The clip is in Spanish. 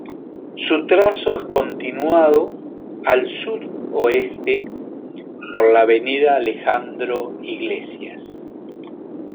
Su trazo es continuado al suroeste por la avenida Alejandro Iglesias.